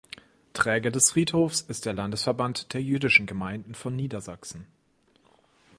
Träger des Friedhofs ist der Landesverband der Jüdischen Gemeinden von Niedersachsen.